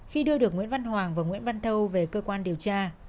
khi đưa được nguyễn văn hoàng và nguyễn văn thâu về cơ quan điều tra